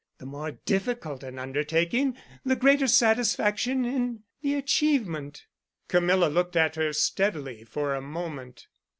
The more difficult an undertaking, the greater satisfaction in the achievement." Camilla looked at her steadily for a moment.